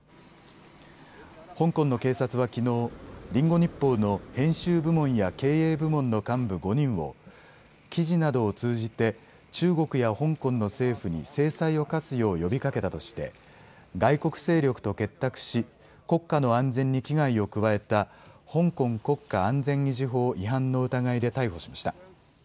香港の警察はきのうリンゴ日報の編集部門や経営部門の幹部５人を記事などを通じて中国や香港の政府に制裁を科すよう呼びかけたとして外国勢力と結託し、国家の安全に危害を加えた香港国家安全維持法違反の疑いで逮捕しました。